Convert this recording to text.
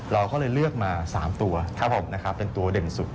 เราก็เลยเลือกมา๓ตัวเป็นตัวเด่นสุด